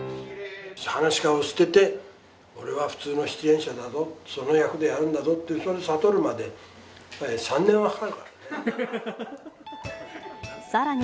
はなし家を捨てて、俺は普通の出演者だぞ、その役でやるんだぞって、それ悟るまで、３年はかかるからね。